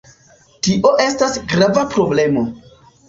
Tio estas grava problemo.